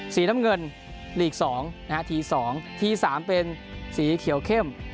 สีสีสองพี่สองที่สามเป็นสีเขียวเข้ม